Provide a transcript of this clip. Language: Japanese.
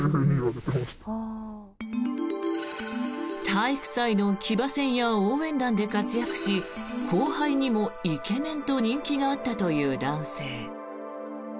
体育祭の騎馬戦や応援団で活躍し後輩にもイケメンと人気があった男性。